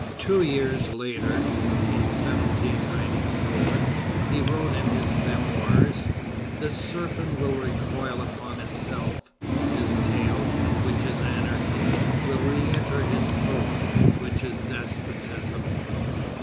Two years later, in 1794, he wrote in his Memoirs: "The serpent will recoil upon itself. His tail, which is anarchy, will re enter his throat, which is despotism."